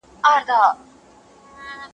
ایا ته د شپې په وخت کې ډیرې قهوې څښې؟